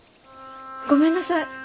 ごめんなさい！